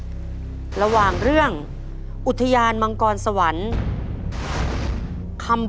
พ่อสนอเลือกตอบตัวเลือกที่๒คือแป้งมันครับ